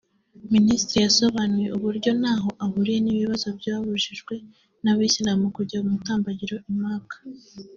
Minisitiri yasobanuye uburyo ntaho ahuriye n’ibibazo byari byabujije bamwe mu Bayisilamu kujya mu mutambagiro i Maka